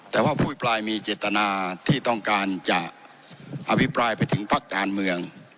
แต่ว่าผู้อภิปรายมีเจตนาที่ต้องการจะอภิปรายไปถึงพักการเมือง